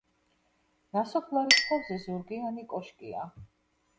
ნასოფლარის თავზე ზურგიანი კოშკია.